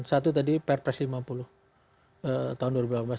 satu tadi perpres lima puluh